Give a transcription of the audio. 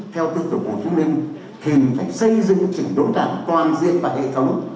theo tư tưởng của chúng mình thì phải xây dựng trình độ đảng toàn diện và hệ thống